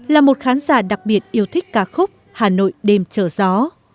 là một khán giả đặc biệt yêu thích ca khúc hà nội đêm trời gió